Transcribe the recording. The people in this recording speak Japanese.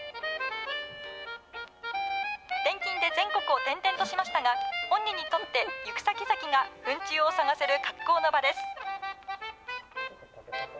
転勤で全国を転々としましたが、本人にとって、行く先々が、フン虫を探せる格好の場です。